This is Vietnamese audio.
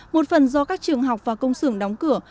một phần do các trường học và công sưởng đóng cửa